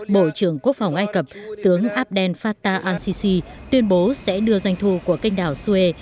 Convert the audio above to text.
bộ trưởng quốc phòng ai cập tướng abdel fattah ncc tuyên bố sẽ đưa doanh thu của kênh đảo suez